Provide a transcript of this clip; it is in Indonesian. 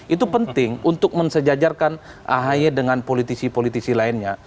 itu penting untuk mensejajarkan ahy dengan politisi politisi lainnya